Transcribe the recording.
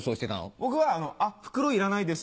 僕は「あっ袋いらないです」。